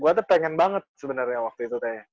gua tuh pengen banget sebenernya waktu itu